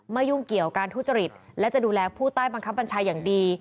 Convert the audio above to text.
ยุ่งเกี่ยวการทุจริตและจะดูแลผู้ใต้บังคับบัญชาอย่างดี